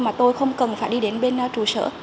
mà tôi không cần phải đi đến bên trụ sở